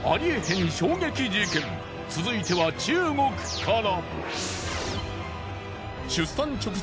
続いては中国から。